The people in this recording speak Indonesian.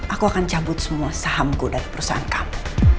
aku akan cabut semua sahamku dari perusahaan kamu